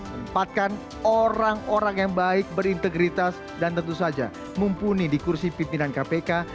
tempatkan orang orang yang baik berintegritas dan tentu saja mumpuni di kursi pimpinan kpk